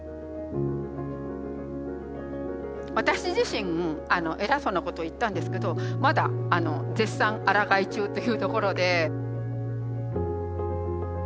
私自身偉そうなことを言ったんですけどまだ絶賛あらがい中というところで。